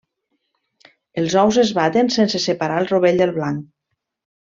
Els ous es baten sense separar el rovell del blanc.